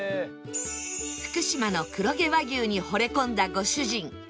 福島の黒毛和牛にほれ込んだご主人